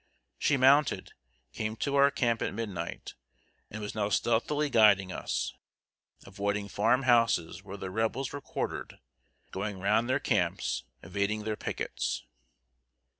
She mounted, came to our camp at midnight, and was now stealthily guiding us avoiding farm houses where the Rebels were quartered, going round their camps, evading their pickets.